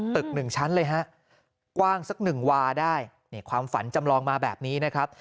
ตึกหนึ่งชั้นเลยฮะกว้างสักหนึ่งวาได้นี่ความฝันจำลองมาแบบนี้นะครับ